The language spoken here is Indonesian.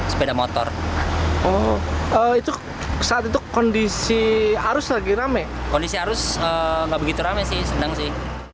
sebenarnya itu adalah sebuah kondisi yang tidak begitu ramai